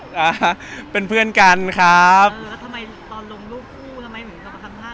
เราสตีฟเหมือนกับเฮมใช่หรือเปล่าครับ